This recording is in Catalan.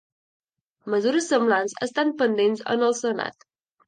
Mesures semblants estan pendents en el senat.